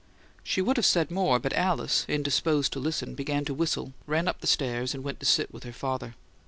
She would have said more, but Alice, indisposed to listen, began to whistle, ran up the stairs, and went to sit with her father.